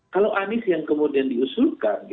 kalau anies yang kemudian diusulkan